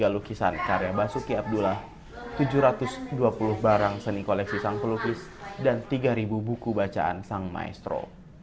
tiga lukisan karya basuki abdullah tujuh ratus dua puluh barang seni koleksi sang pelukis dan tiga buku bacaan sang maestro